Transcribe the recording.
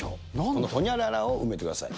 このホニャララを埋めてください。